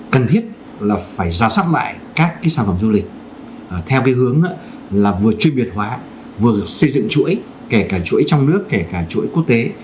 cần thiết là phải giả soát lại các cái sản phẩm du lịch theo cái hướng là vừa chuyên biệt hóa vừa xây dựng chuỗi kể cả chuỗi trong nước kể cả chuỗi quốc tế